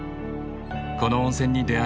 この温泉に出会い